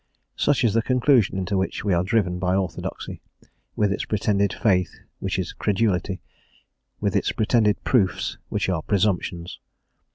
_ Such is the conclusion into which we are driven by orthodoxy, with its pretended faith, which is credulity, with its pretended proofs, which are presumptions.